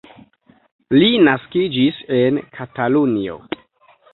Li naskiĝis en Katalunio.